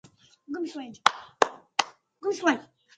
ولقد قضيت وإن تجلل لمتي